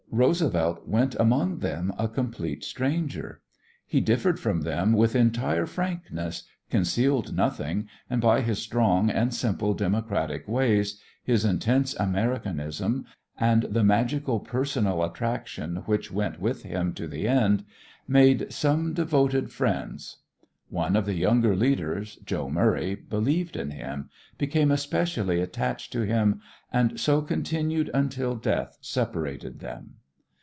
Roosevelt went among them a complete stranger. He differed from them with entire frankness, concealed nothing, and by his strong and simple democratic ways, his intense Americanism, and the magical personal attraction which went with him to the end, made some devoted friends. One of the younger leaders, "Joe" Murray, believed in him, became especially attached to him, and so continued until death separated them.